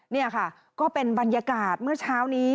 นี่ค่ะก็เป็นบรรยากาศเมื่อเช้านี้